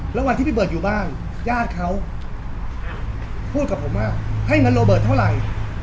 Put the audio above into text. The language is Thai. แล้ววันที่พี่เบิร์ตอยู่บ้านญาติเขาพูดกับผมว่าให้เงินโรเบิร์ตเท่าไหร่